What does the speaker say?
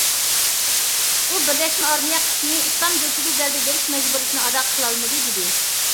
ئۇ: بىرلەشمە ئارمىيە قىسمى ئىسلام دۆلىتىگە زەربە بېرىش مەجبۇرىيىتىنى ئادا قىلالمىدى دېدى.